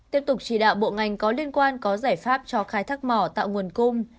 tiếp tục chỉ đạo bộ ngành có liên quan có giải pháp cho khai thác mỏ tạo nguồn cung